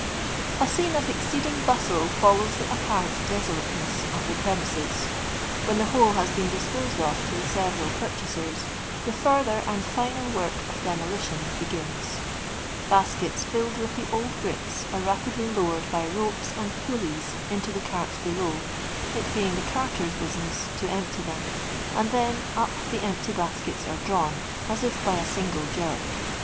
A sci'ne of exceeding bustle follows the ap* parent desolateness of the premises. When the whole has been disposed of to the several pur* chasers, the further and fin»l work of demolition begins, baskets filled with the old bricks are rapidly lowered by ropes and pulleys into the carts below, it behig the carter's business to empty them, and then up the empty b«tskets are drawn, as if by a single jerk.